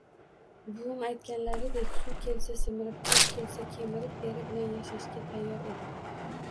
Buvim aytganlaridek, suv kelsa simirib, tosh kelsa kemirib eri bilan yashashga tayyor edi